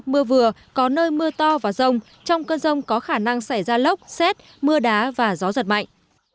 mưa vừa có nơi mưa to và rông trong cơn rông có khả năng xảy ra lốc xét mưa đá và gió giật mạnh